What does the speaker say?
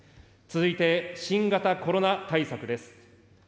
続いて新型コロナ対策です。